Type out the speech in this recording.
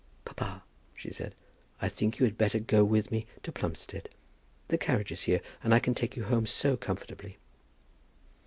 "Papa," she said, "I think you had better go with me to Plumstead. The carriage is here, and I can take you home so comfortably."